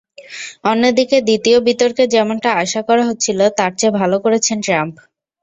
অন্যদিকে দ্বিতীয় বিতর্কে যেমনটা আশা করা হচ্ছিল, তার চেয়ে ভালো করেছেন ট্রাম্প।